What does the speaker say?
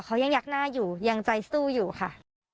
เขายังยักหน้าอยู่ยังใจสู้อยู่ค่ะ